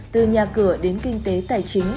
từ nhà cửa đến kinh tế tài chính